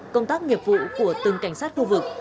công tác nghiệp vụ của từng cảnh sát khu vực